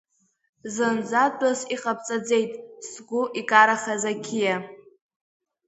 Зынӡа тәыс иҟабҵаӡеит, сгәы икарахаз ақьиа.